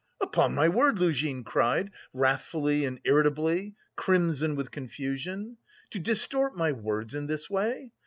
"Upon my word," Luzhin cried wrathfully and irritably, crimson with confusion, "to distort my words in this way!